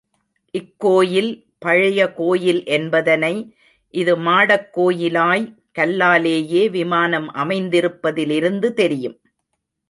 இக்கோயில் பழைய கோயில் என்பதனை, இது மாடக் கோயிலாய், கல்லாலேயே விமானம் அமைந்திருப்பதிலிருந்து தெரியும்.